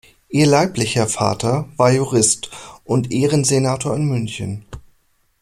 Ihr leiblicher Vater war Jurist und Ehrensenator in München.